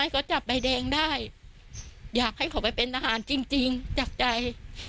พ่อไอ้ก็จับใบแดงได้อยากให้เขาไปเป็นทหารจริงจริงจากใจ